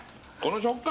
この食感！